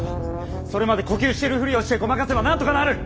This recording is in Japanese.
それまで呼吸しているふりをしてごまかせばなんとかなる！